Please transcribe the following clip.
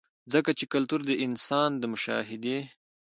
ځکه چې کلتور د انسان د مشاهدې